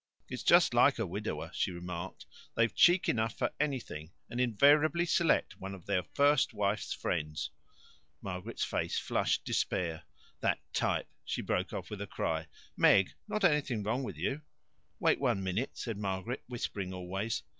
"It's just like a widower," she remarked. "They've cheek enough for anything, and invariably select one of their first wife's friends." Margaret's face flashed despair. "That type " She broke off with a cry. "Meg, not anything wrong with you?" "Wait one minute," said Margaret, whispering always.